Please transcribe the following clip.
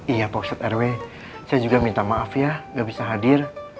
iya pokset rw saya juga minta maaf ya gak bisa hadir